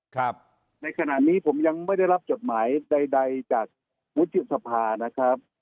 ครับในขณะนี้ผมยังไม่ได้รับจดหมายใดใดจากวุฒิสภานะครับ